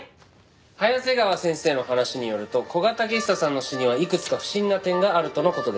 早瀬川先生の話によると古賀武久さんの死にはいくつか不審な点があるとの事でした。